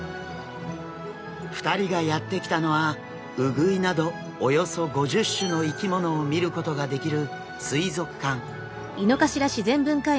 ２人がやって来たのはウグイなどおよそ５０種の生き物を見ることができる水族館。